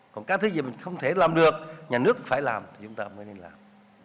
còn các thứ gì mình không thể làm được nhà nước cũng phải làm thì chúng ta mới nên làm